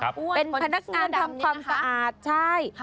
เป็นพนักงานทำความสะอาดใช่